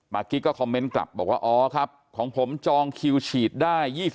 กิ๊กก็คอมเมนต์กลับบอกว่าอ๋อครับของผมจองคิวฉีดได้